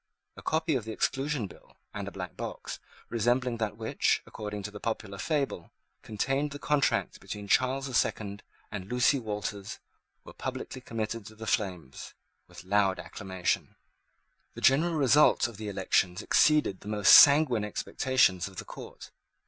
A copy of the Exclusion Bill, and a black box, resembling that which, according to the popular fable, contained the contract between Charles the Second and Lucy Walters, were publicly committed to the flames, with loud acclamations. The general result of the elections exceeded the most sanguine expectations of the court.